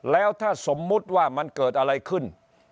แล้วถ้าสมมุติว่ามันเกิดอะไรขึ้น